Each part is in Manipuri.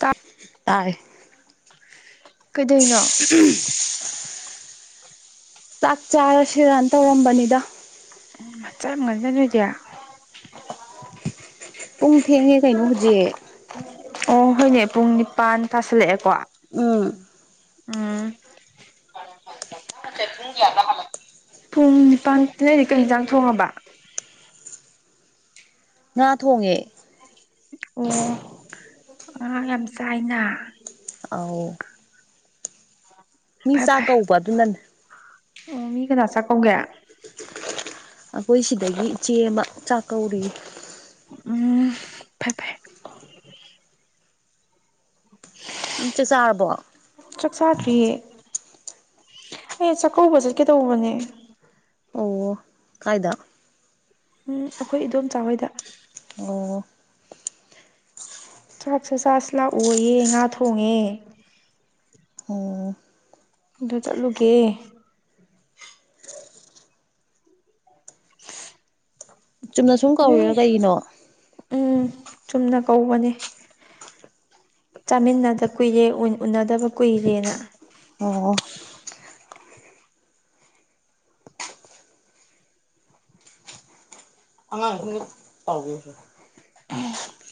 ꯆꯥꯛ ꯇꯥꯏ ꯀꯩꯗꯩꯅꯣ ꯎꯝ ꯆꯥꯛ ꯆꯥꯔꯁꯤꯔꯥ ꯇꯧꯔꯝꯕꯅꯤꯗ ꯆꯥꯛ ꯉꯟꯂꯦ ꯅꯣꯏꯗꯤ ꯄꯨꯡ ꯊꯦꯡꯉꯦ ꯀꯩꯅꯣ ꯍꯧꯖꯤꯛ ꯑꯣ ꯍꯣꯏꯅꯦ ꯄꯨꯡ ꯅꯤꯄꯥꯟ ꯇꯥꯁꯜꯂꯛꯑꯦꯀꯣ ꯎꯝ ꯎꯝ [unintelligible] ꯄꯨꯡ ꯅꯤꯄꯥꯟ ꯅꯣꯏꯗꯤ ꯀꯩ ꯍꯤꯟꯖꯥꯡ ꯊꯣꯡꯉꯕ ꯉꯥ ꯊꯣꯡꯉꯦ ꯑꯣ ꯉꯥ ꯌꯥꯝ ꯆꯥꯏꯅ ꯑꯧ ꯃꯤ ꯐꯔꯦ ꯆꯥꯛ ꯐꯔꯦ ꯀꯧꯕ ꯑꯗꯨꯅꯅꯦ ꯑꯣ ꯃꯤ ꯀꯅꯥ ꯆꯥꯛ ꯀꯧꯒꯦ ꯑꯈꯣꯏ ꯁꯤꯗꯒꯤ ꯏꯆꯦ ꯑꯃ ꯆꯥꯛꯀꯧꯔꯤ ꯎꯝ ꯐꯩ ꯐꯩ ꯎ ꯆꯥꯛ ꯆꯥꯔꯕ꯭ꯔꯣ ꯆꯥꯛ ꯆꯥꯗ꯭ꯔꯤꯌꯦ ꯑꯩ ꯆꯥꯛꯀꯧꯕ ꯆꯠꯀꯦ ꯇꯧꯕꯅꯦ ꯑꯣ ꯀꯥꯏꯗ ꯎꯝ ꯑꯩꯈꯣꯏ ꯏꯗꯣꯝꯆꯥ ꯍꯣꯢꯗ ꯑꯣ ꯆꯥꯛꯁꯨ ꯆꯥꯁꯦ ꯂꯥꯛꯑꯣꯌꯦ ꯉꯥ ꯊꯣꯡꯉꯦ ꯑꯣ ꯑꯗꯨ ꯆꯠꯂꯨꯒꯦ [inaudible] ꯆꯨꯝꯅ ꯁꯨꯝ ꯅꯣꯏ ꯀꯧꯔꯤꯔꯥ ꯀꯩꯒꯤꯅꯣ ꯎꯝ ꯆꯨꯝꯅ ꯀꯧꯕꯅꯦ ꯆꯥꯃꯤꯟꯅꯗꯕ ꯀꯨꯏꯔꯦ ꯎꯅꯗꯕ ꯀꯨꯏꯔꯦꯅ ꯑꯣ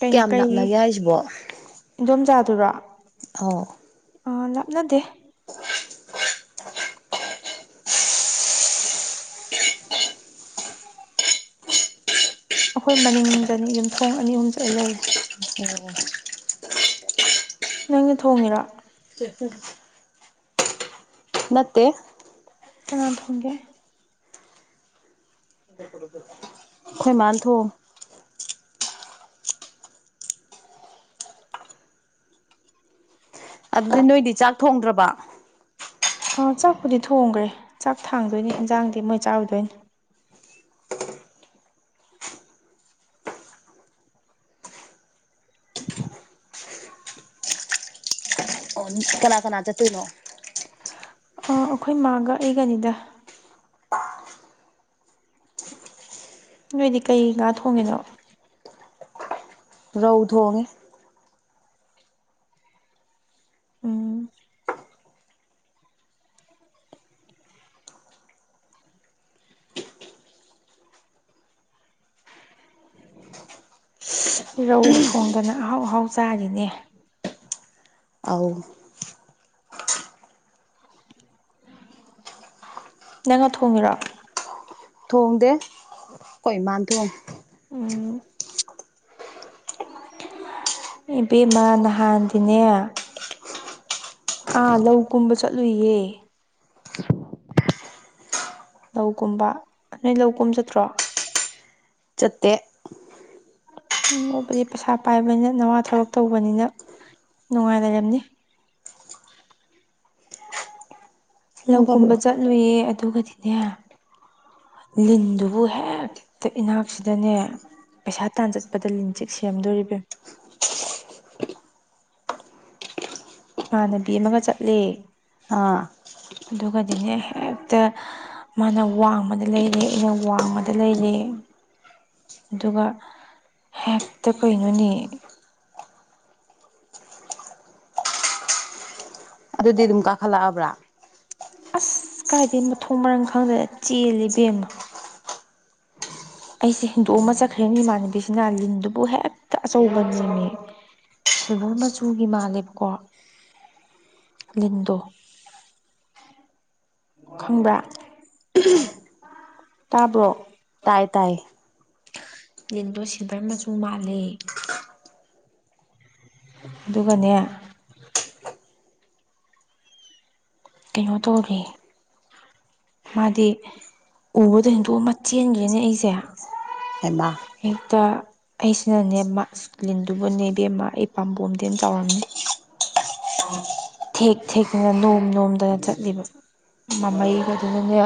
ꯀꯩꯅꯣ ꯀ꯭ꯌꯥꯝ ꯀꯩꯒꯤ ꯂꯥꯞꯅꯒꯦ ꯍꯥꯏꯁꯤꯕꯣ ꯑꯥꯎ ꯑ ꯂꯥꯞꯅꯗꯦ ꯑꯈꯣꯏ ꯃꯅꯤꯡꯗꯅꯤ ꯌꯨꯝꯊꯣꯡ ꯑꯅꯤ ꯑꯍꯨꯝ ꯆꯠꯂ ꯂꯩꯔꯦ ꯅꯪꯅ ꯊꯣꯡꯉꯤꯔꯣ [unintelligible] ꯅꯠꯇꯦ ꯀꯅꯥ ꯊꯣꯡꯒꯦ ꯑꯩꯈꯣꯏ ꯃꯥꯅ ꯊꯣꯡꯉꯦ ꯑꯗꯨꯗꯤ ꯅꯣꯏꯗꯤ ꯆꯥꯛ ꯊꯣꯡꯗ꯭ꯔꯕ ꯑꯥ ꯆꯥꯛꯄꯨꯗꯤ ꯊꯣꯡꯒ꯭ꯔꯦ ꯆꯥꯛ ꯊꯥꯡꯗꯣꯏꯅꯦ ꯍꯟꯖꯥꯡꯗꯤ ꯃꯣꯏ ꯆꯥꯔꯨꯗꯣꯏꯅꯤ ꯑꯣ ꯀꯅꯥ ꯀꯅꯥ ꯆꯠꯇꯣꯢꯅꯣ ꯑ ꯑꯩꯈꯣꯏ ꯃꯥꯒ ꯑꯩꯒꯅꯤꯗ ꯅꯣꯏꯗꯤ ꯀꯩ ꯉꯥ ꯊꯣꯡꯉꯤꯅꯣ ꯔꯧ ꯊꯣꯡꯉꯦ ꯎꯝ ꯔꯧ ꯊꯣꯡꯗꯅ ꯑꯍꯥꯎ ꯑꯍꯥꯎ ꯆꯥꯔꯤꯅꯦ ꯑꯧ ꯅꯪꯅ ꯊꯣꯡꯉꯤꯔꯣ ꯊꯣꯡꯗꯦ ꯑꯈꯣꯏ ꯏꯃꯥꯟ ꯊꯣꯡ ꯎꯝ ꯏꯕꯦꯝꯃꯥ ꯅꯍꯥꯟꯗꯤꯅꯦ ꯑꯥ ꯂꯧ ꯀꯨꯝꯕ ꯆꯠꯂꯨꯏꯌꯦ ꯂꯧꯀꯨꯝꯕ ꯅꯣꯏ ꯂꯧ ꯀꯨꯝ ꯆꯠꯇ꯭ꯔꯣ ꯆꯠꯇꯦ ꯎꯝ ꯕꯗꯤ ꯄꯩꯁꯥ ꯄꯥꯏꯕꯅꯤꯅ ꯅꯋꯥ ꯊꯕꯛ ꯇꯧꯕꯅꯤꯅ ꯅꯨꯡꯉꯥꯏ ꯂꯩꯔꯝꯅꯤ [inaudible] ꯊꯪꯉꯣ ꯂꯧꯀꯨꯝꯕ ꯇꯥꯕ꯭ꯔꯣ ꯆꯠꯂꯨꯌꯦ ꯑꯗꯨꯒꯗꯤꯅꯦ ꯂꯤꯟꯗꯨꯕꯨ ꯍꯦꯛꯇ ꯏꯅꯥꯛꯁꯤꯗꯅꯦ ꯄꯩꯁꯥ ꯇꯥꯟ ꯆꯠꯄꯗ ꯂꯤꯟꯆꯤꯛ ꯁꯤꯔꯝꯗꯣꯔꯦ ꯏꯕꯦꯝ [inaudible] ꯏꯃꯥꯟꯅꯕꯤ ꯑꯃꯒ ꯆꯠꯂꯦ ꯑ ꯑꯗꯨꯒꯗꯤꯅꯦ ꯍꯦꯛꯇ ꯃꯥꯅ ꯋꯥꯡꯃꯗ ꯂꯩꯔꯦ ꯑꯩꯅ ꯋꯥꯡꯃꯗ ꯂꯩꯔꯦ [inaudible] ꯑꯗꯨꯒ ꯍꯦꯛꯇ ꯀꯩꯅꯣꯅꯦ ꯑꯗꯨꯗꯤ ꯑꯗꯨꯝ ꯀꯥꯈꯠꯂꯛꯑꯕ꯭ꯔꯥ ꯑꯁ ꯀꯥꯏꯗꯩ ꯃꯊꯣꯡ ꯃꯔꯥꯡ ꯈꯪꯗ꯭ꯔꯅ ꯆꯦꯜꯂꯦ ꯏꯕꯦꯝꯃ ꯑꯩꯁꯦ ꯍꯨꯟꯗꯣꯛꯑꯝꯃ ꯆꯠꯈ꯭ꯔꯦ ꯏꯃꯥꯟꯅꯕꯤꯁꯤꯅ ꯂꯤꯟꯗꯨꯕꯨ ꯍꯦꯛꯇ ꯑꯆꯧꯕꯅꯦꯝꯃꯦ ꯁꯤꯜꯚꯔ ꯃꯆꯨꯒꯤ ꯃꯥꯜꯂꯦꯕꯀꯣ ꯂꯤꯟꯗꯣ ꯈꯪꯕ꯭ꯔꯥ ꯇꯥꯕ꯭ꯔꯣ ꯇꯥꯏ ꯇꯥꯏ ꯌꯦꯡꯗꯣ ꯁꯤꯜꯚꯔ ꯃꯆꯨ ꯃꯥꯜꯂꯦ ꯑꯗꯨꯒꯅꯦ ꯀꯩꯅꯣ ꯇꯧꯔꯦ ꯃꯥꯗꯤ ꯎꯕꯗ ꯍꯦꯟꯗꯣꯛ ꯑꯃ ꯆꯦꯟꯒ꯭ꯔꯦꯅꯦ ꯑꯩꯁꯦ ꯍꯩꯃꯥ [unintelligible] ꯍꯦꯛꯇ ꯑꯩꯁꯤꯅꯅꯦ ꯃꯥꯁ ꯂꯤꯟꯗꯨꯕꯨꯅꯦ ꯏꯕꯦꯝꯃ ꯑꯩ ꯄꯥꯝꯕꯣꯝꯗꯩꯅ ꯍꯦꯟꯅ ꯆꯥꯎꯔꯝꯅꯤ ꯊꯦꯛ ꯊꯦꯛꯇꯅ ꯅꯣꯝ ꯅꯣꯝꯗꯅ ꯆꯠꯂꯤꯕ ꯃꯃꯩꯒꯗꯨꯅ ꯅꯦ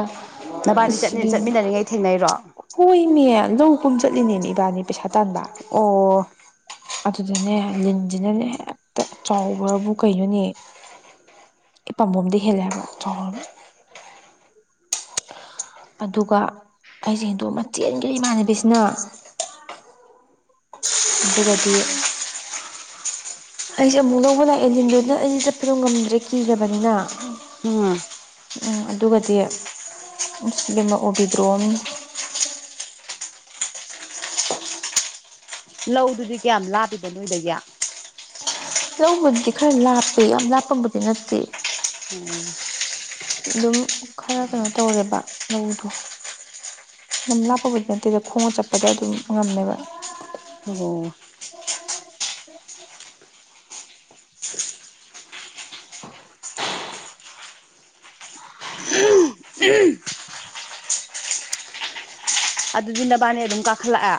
ꯅꯕꯥꯅꯤ ꯏꯁ ꯆꯠꯅꯤ ꯕꯦꯝꯃ ꯆꯠꯃꯤꯟꯅꯔꯤꯉꯩ ꯊꯦꯡꯅꯩꯔꯣ ꯍꯣꯏꯃꯤ ꯂꯧ ꯀꯨꯝ ꯆꯠꯂꯤꯅꯦ ꯏꯕꯥꯅꯤ ꯄꯩꯁꯥ ꯇꯥꯟꯕ ꯑꯣ ꯑꯗꯨꯗꯅꯦ ꯂꯤꯟꯁꯤꯅꯅꯦ ꯍꯦꯛꯇ ꯆꯥꯎꯕ꯭ꯔꯕꯨ ꯀꯩꯅꯣꯅꯦ ꯄꯥꯝꯕꯣꯝꯗ ꯍꯦꯜꯂꯦ ꯍꯥꯏꯕ ꯆꯥꯎ ꯑꯗꯨꯒ ꯑꯩꯁꯦ ꯍꯦꯟꯗꯣꯛꯑꯝꯃ ꯆꯦꯟꯒ꯭ꯔꯦ ꯏꯃꯥꯟꯅꯕꯤꯁꯤꯅ [inaudible] ꯑꯗꯨꯒꯗꯤ [inaudible] ꯑꯩꯁꯦ ꯑꯃꯨꯛ ꯂꯧꯕ ꯂꯥꯛꯑꯦ ꯂꯤꯟꯗꯨꯅ ꯑꯩꯁꯦ ꯆꯠꯄꯗꯣ ꯉꯝꯗ꯭ꯔꯦ ꯀꯤꯔꯕꯅꯤꯅꯥ ꯎꯝ ꯎꯝ ꯑꯗꯨꯒꯗꯤ [unintelligible] ꯑꯁ ꯏꯕꯦꯝꯃ ꯑꯣꯕꯤꯗ꯭ꯔꯣꯝꯅꯤ ꯂꯧꯗꯨꯗꯤ ꯀꯌꯥꯝ ꯂꯥꯞꯄꯤꯒꯦ ꯅꯣꯏꯗꯒꯤ ꯂꯧꯕꯨꯗꯤ ꯈꯔ ꯂꯥꯞꯄꯦ ꯌꯥꯝ ꯂꯥꯞꯄꯕꯨꯗꯤ ꯅꯠꯇꯦ ꯎꯝ ꯑꯗꯨꯝ ꯈꯔ ꯀꯩꯅꯣ ꯇꯧꯔꯦꯕ ꯂꯧꯗꯣ ꯂꯝ ꯂꯥꯞꯄꯕꯨꯗꯤ ꯅꯠꯇꯦꯗ ꯈꯣꯡꯅ ꯆꯠꯄꯗ ꯑꯗꯨꯝ ꯉꯝꯃꯦꯕ ꯑꯣ ꯎꯝ ꯑꯗꯨꯗꯤ ꯅꯕꯥꯅꯦ ꯑꯗꯨꯝ ꯀꯥꯈꯠꯂꯛꯑꯦ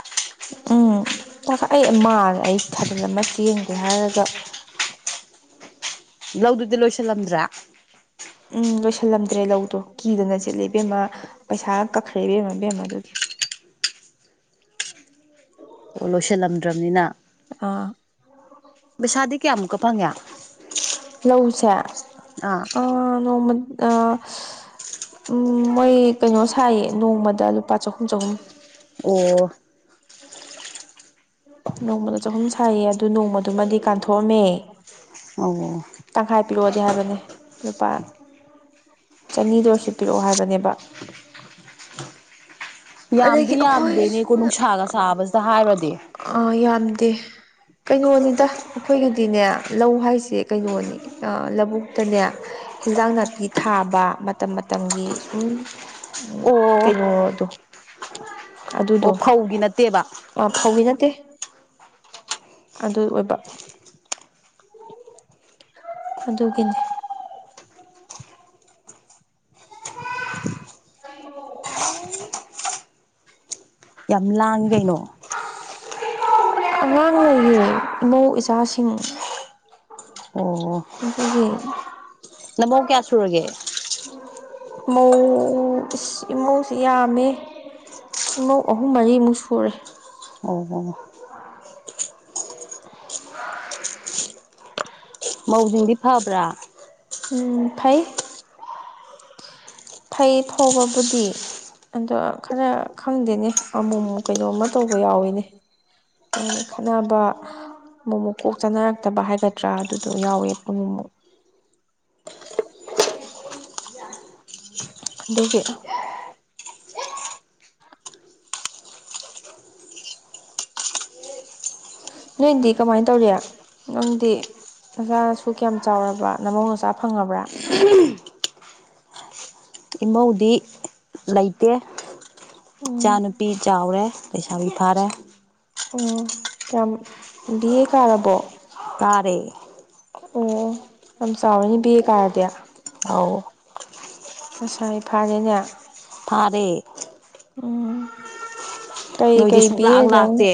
ꯎꯝ [unintelligible] ꯑꯩ ꯃꯥꯜꯂꯦ ꯑꯩ ꯊꯗꯜ ꯂꯝꯃꯒ ꯆꯦꯟꯒ꯭ꯔꯦ ꯍꯥꯏꯔꯒ ꯂꯧꯗꯨꯗꯤ ꯂꯣꯏꯁꯤꯜꯂꯝꯗ꯭ꯔꯦ ꯎꯝ ꯂꯣꯏꯁꯤꯜꯂꯝꯗ꯭ꯔꯦ ꯂꯧꯗꯣ ꯀꯤꯗꯅ ꯆꯦꯂꯛꯑꯦ ꯏꯕꯦꯝꯃ ꯄꯩꯁꯥꯒ ꯀꯛꯈ꯭ꯔꯦ ꯏꯕꯦꯝꯃ ꯕꯦꯝꯃ ꯑꯗꯨꯒꯤ [unintelligible] ꯑꯣ ꯂꯣꯏꯁꯤꯜꯂꯝꯗ꯭ꯔꯕꯅꯤꯅ ꯑꯥ ꯄꯩꯁꯥꯗꯤ ꯀꯌꯥꯃꯨꯛꯀ ꯐꯪꯉꯦ ꯁꯦ ꯑꯥ ꯗꯥ ꯎꯝ ꯃꯣꯏ ꯀꯩꯅꯣ ꯁꯥꯏꯌꯦ ꯅꯣꯡꯃꯗ ꯂꯨꯄꯥ ꯆꯍꯨꯝ ꯆꯍꯨꯝ ꯑꯣ ꯅꯣꯡꯃꯗ ꯆꯍꯨꯝ ꯁꯥꯏꯌꯦ ꯑꯗꯨ ꯅꯣꯡꯃꯗꯨꯃꯗꯤ ꯀꯥꯟꯊꯣꯛꯑꯝꯃꯦ ꯑꯣ ꯇꯪꯈꯥꯏ ꯄꯤꯔꯛꯑꯣꯗꯤ ꯍꯥꯏꯕꯅꯦ ꯂꯨꯄꯥ ꯆꯅꯤꯗ ꯑꯣꯏꯁꯨ ꯄꯤꯔꯛꯑꯣ ꯍꯥꯏꯕꯅꯦꯕ ꯑꯗꯒꯤ ꯌꯥꯝꯗꯤ ꯑꯈꯣꯏꯁꯨ ꯌꯥꯝꯗꯦꯅꯦꯀꯣ ꯅꯨꯡꯁꯥꯒ ꯁꯥꯕꯁꯤꯗ ꯍꯥꯏꯔꯨꯔꯗꯤ [unintelligible] ꯑꯥ ꯌꯥꯝꯗꯦ ꯀꯩꯅꯣꯅꯤꯗ ꯑꯩꯈꯣꯏꯒꯤꯗꯤꯅꯦ ꯂꯧ ꯍꯥꯏꯁꯦ ꯀꯩꯅꯣꯅꯤ ꯑꯥ ꯂꯧꯕꯨꯛꯇꯅꯦ ꯍꯦꯟꯖꯥꯡ ꯅꯥꯄꯤ ꯊꯥꯕ ꯃꯇꯝ ꯃꯇꯝꯒꯤ ꯁꯨꯝ ꯑꯣ ꯀꯩꯅꯣꯗꯣ ꯑꯗꯨꯗꯣ ꯑꯣ ꯐꯧꯒꯤ ꯅꯠꯇꯦꯕ ꯑꯥ ꯐꯧꯒꯤ ꯅꯠꯇꯦ ꯑꯗꯨ ꯑꯣꯏꯕ ꯑꯗꯨꯒꯤꯅꯤ [unintelligible] ꯌꯥꯝ ꯂꯥꯡꯏ ꯒꯩꯅꯣ ꯑꯉꯥꯡ ꯂꯩꯌꯦ ꯏꯃꯧ ꯏꯆꯥꯁꯤꯡ [inaudible] ꯑꯣ ꯑꯗꯨꯒꯤ [inaudible] ꯅꯃꯧ ꯀꯌꯥ ꯁꯨꯔꯒꯦ ꯃꯧ ꯏꯁ ꯏꯃꯧꯁꯤ ꯌꯥꯝꯃꯦ ꯏꯃꯧ ꯑꯍꯨꯝ ꯃꯔꯤꯃꯨꯛ ꯁꯨꯔꯦ ꯑꯣꯍꯣ [inaudible] ꯃꯧꯖꯤꯡꯗꯤ ꯐꯕ꯭ꯔꯥ ꯎꯝ ꯐꯩ [inaudible] ꯐꯩ ꯐꯕꯕꯨꯗꯤ ꯑꯗꯣ ꯈꯔ ꯈꯪꯗꯦꯅꯦ ꯑꯃꯨꯃꯨꯡ ꯀꯩꯅꯣꯝꯃ ꯇꯧꯕ ꯌꯥꯎꯋꯤꯅꯦ ꯀꯩ ꯍꯥꯏꯅꯤ ꯈꯠꯅꯕ ꯑꯃꯨꯃꯨꯛ ꯀꯣꯛ ꯆꯥꯟꯅꯔꯛꯇꯕ ꯍꯥꯏꯒꯗ꯭ꯔꯥ ꯑꯗꯨꯗꯣ ꯌꯥꯎꯋꯦ ꯑꯃꯨꯃꯨꯛ ꯑꯗꯨꯒꯤ ꯅꯣꯏꯗꯤ ꯀꯃꯥꯏꯅ ꯇꯧꯔꯤ ꯅꯪꯗꯤ ꯅꯆꯥꯥ ꯅꯁꯨ ꯀꯌꯥꯝ ꯆꯥꯎꯔꯕ ꯅꯃꯧ ꯅꯆꯥ ꯐꯪꯉꯕ꯭ꯔꯥ [inaudible] ꯏꯃꯧꯗꯤ ꯂꯩꯇꯦ ꯏꯆꯥ ꯎꯝ ꯅꯨꯨꯄꯤ ꯆꯥꯎꯔꯦ ꯂꯩꯩꯁꯥꯕꯤ ꯐꯥꯔꯦ ꯑꯣ ꯀꯌꯥꯝ ꯕꯤ ꯑꯦ ꯀꯥꯔꯕꯣ ꯀꯥꯔꯦ ꯑꯣ ꯌꯥꯝ ꯆꯥꯎꯔꯦꯅꯦ ꯕꯤ ꯑꯦ ꯀꯥꯔꯗꯤ ꯑꯥꯎ ꯂꯩꯁꯥꯕꯤ ꯐꯥꯔꯦꯅꯦ ꯐꯥꯔꯦ ꯎꯝ ꯅꯣꯏꯗꯤ ꯀꯩꯀꯩ ꯕꯤ ꯁꯨꯡꯂꯥꯛ ꯑꯦ ꯗꯪ ꯂꯥꯛꯇꯦ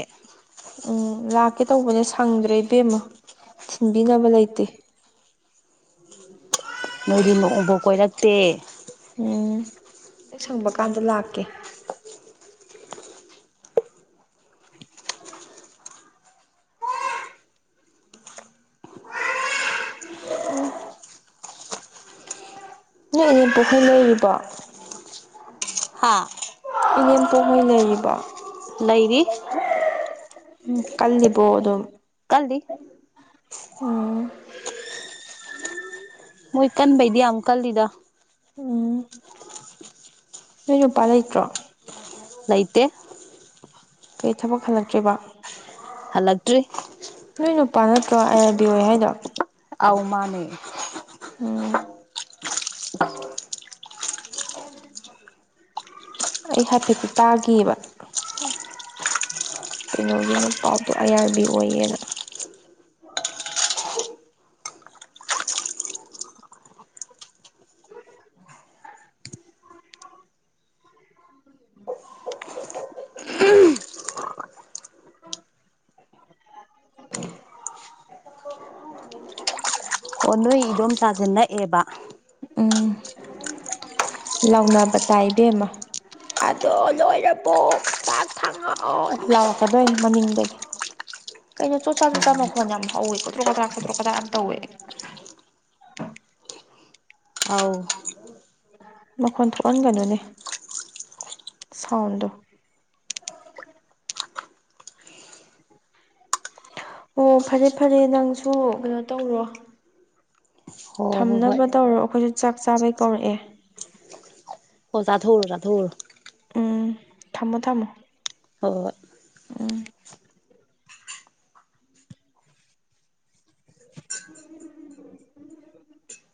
ꯎꯝ ꯂꯥꯛꯀꯦ ꯇꯧꯕꯅꯦ ꯁꯪꯗ꯭ꯔꯦ ꯏꯕꯦꯝꯃ ꯊꯤꯟꯕꯤꯅꯕ ꯂꯩꯇꯦ ꯅꯣꯏꯗꯤ ꯅꯣꯡꯕꯧ ꯀꯣꯏꯔꯛꯇꯦ ꯎꯝ ꯍꯦꯛ ꯁꯪꯕ ꯀꯥꯟꯗ ꯂꯥꯛꯀꯦ ꯅꯣꯏ ꯏꯅꯦꯝꯄꯣꯛꯈꯣꯏ ꯂꯩꯔꯤꯕꯣ ꯍꯥꯥ ꯏꯅꯦꯝꯄꯣꯛꯍꯣꯏ ꯂꯩꯔꯤꯕꯣ ꯂꯩꯔꯤ ꯎꯝ ꯀꯜꯂꯤꯕꯣ ꯑꯗꯨꯝ ꯀꯜꯂꯤ ꯎꯝ ꯃꯣꯏ ꯀꯟꯕꯩꯗꯤ ꯌꯥꯝ ꯀꯜꯂꯤꯗ ꯎꯝ ꯅꯣꯏ ꯅꯨꯄꯥ ꯂꯩꯇ꯭ꯔꯣ ꯂꯩꯩꯇꯦ ꯀꯩ ꯊꯕꯛ ꯍꯜꯂꯛꯇ꯭ꯔꯤꯕꯣ ꯍꯜꯂꯛꯇ꯭ꯔꯤ ꯅꯣꯏ ꯅꯨꯄꯥ ꯅꯠꯇ꯭ꯔꯣ ꯑꯥꯏ ꯑꯥꯔ ꯕꯤ ꯑꯣꯏ ꯍꯥꯏꯗꯣ ꯑꯧ ꯃꯥꯅꯦ ꯎꯝ ꯑꯩ ꯍꯥꯏꯐꯦꯠꯇꯤ ꯇꯥꯈꯤꯌꯦꯕ ꯀꯩꯅꯣꯒꯤ ꯅꯨꯄꯥꯗꯣ ꯑꯥꯏ ꯑꯥꯔ ꯕꯤ ꯑꯣꯏꯌꯦꯅ [inaudible] ꯑꯣ ꯅꯣꯏ ꯏꯟꯗꯣꯝꯆꯥꯁꯦ ꯅꯛꯑꯦꯕ ꯎꯝ ꯎ ꯀ [inaudible] ꯂꯥꯎꯅꯕ ꯇꯥꯏ ꯏꯕꯦꯝꯃ ꯑꯗꯣ ꯂꯣꯏꯔꯕꯣ ꯆꯥꯛ ꯊꯥꯡꯉꯛꯑꯣ ꯂꯥꯎꯔꯛꯀꯗꯣꯏꯅꯤ ꯃꯅꯤꯡꯗꯒꯤ ꯀꯩꯅꯣ ꯆꯣꯠ ꯆꯥ ꯆꯣꯠ ꯆꯥ ꯃꯈꯣꯟ ꯌꯥꯝ ꯍꯧꯋꯦ ꯀꯣꯗ꯭ꯔꯣꯛ ꯀꯗ꯭ꯔꯥꯛ ꯌꯥꯝ ꯇꯧꯋꯦ [inaudible] ꯑꯧ ꯃꯈꯣꯟ ꯊꯣꯛꯍꯟꯒꯅꯨꯅꯦ ꯁꯥꯎꯟꯗꯣ ꯑꯣ ꯐꯔꯦ ꯐꯔꯦ ꯅꯪꯁꯨ ꯀꯩꯅꯣ ꯇꯧꯔꯣ ꯍꯣ ꯍꯣ ꯍꯣꯏ ꯊꯝꯅꯕ ꯇꯧꯔꯣ ꯑꯩꯈꯣꯏꯁꯨ ꯆꯥꯛ ꯆꯥꯕꯩ ꯀꯧꯔꯛꯑꯦ ꯑꯣ ꯆꯥꯊꯣꯛꯎꯔꯣ ꯆꯥꯊꯣꯛꯎꯔꯣ ꯎꯝ ꯊꯝꯃꯣ ꯊꯝꯃꯣ ꯍꯣꯏ ꯍꯣꯏ ꯎꯝ [inaudible]